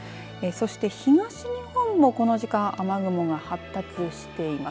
そして東日本もこの時間雨雲が発達してます。